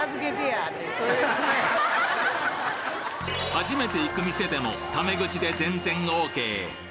初めて行く店でもタメ口で全然ＯＫ！